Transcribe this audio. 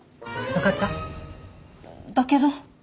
分かった？だけど。